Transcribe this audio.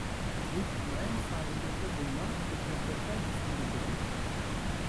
Klip Miami sahillerinde bulunan bir helikopter pistinde çekilmiştir.